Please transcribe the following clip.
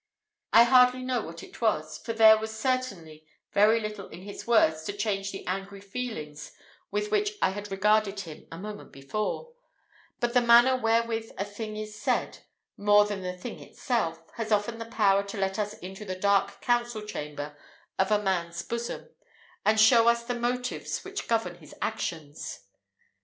I hardly know what it was, for there was certainly very little in his words to change the angry feelings with which I had regarded him a moment before; but the manner wherewith a thing is said, more than the thing itself, has often the power to let us into the dark council chamber of man's bosom, and show us the motives which govern his actions.